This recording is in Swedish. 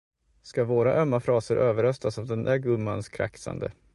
Ska våra ömma fraser överröstas av den där gummans kraxande.